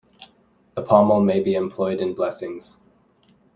The pommel may be employed in blessings.